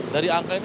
dari angka ini